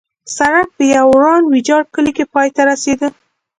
سړک په یو وران ویجاړ کلي کې پای ته رسېده.